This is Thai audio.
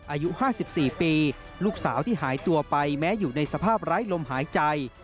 อายุ๕๔ปีลูกสาวที่หายตัวไปแม้อยู่ในสภาพไร้ลมหายใจ